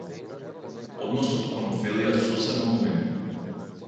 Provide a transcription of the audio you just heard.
Односот кон Офелија сосема го менува.